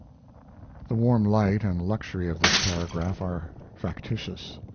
The warm light and luxury of this paragraph are factitious.